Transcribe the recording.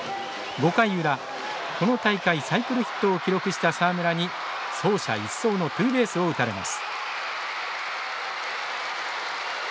５回裏、この大会サイクルヒットを記録した沢村に走者一掃のツーベースを打たれます。